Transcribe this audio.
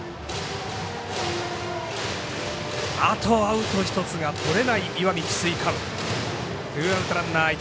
あとアウト１つがとれない石見智翠館。